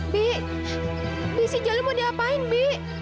bi bi si jalu mau diapain bi